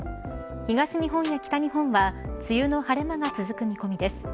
東日本や北日本は梅雨の晴れ間が続く見込みです。